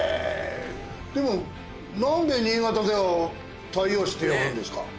でも何で新潟では大洋紙って呼ぶんですか？